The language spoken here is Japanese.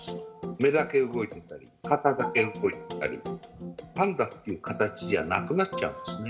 目だけ動いてたり、肩だけ動いてたり、パンダっていう形じゃなくなっちゃうんですね。